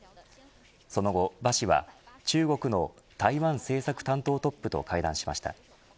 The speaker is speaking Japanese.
その後、馬氏は中国の台湾政策担当トップと会談しました。